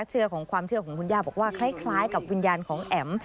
เชื่อของความเชื่อของคุณย่าบอกว่าคล้ายกับวิญญาณของแอ๋ม